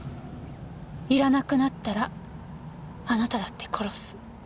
いらなくなったらあなただって殺す。